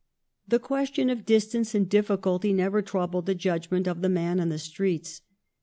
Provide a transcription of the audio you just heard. The question of distance and difficulty never troubled the judg ment of the man in the streets.